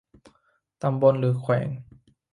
ตำบลหรือแขวง